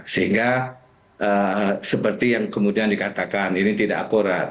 sehingga seperti yang kemudian dikatakan ini tidak akurat